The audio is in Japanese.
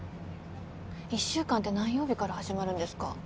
１週間って何曜日から始まるんですか？